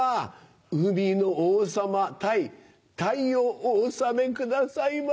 海の王様鯛鯛をお納めくださいませ。